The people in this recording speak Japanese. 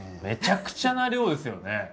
めちゃくちゃな量ですよね。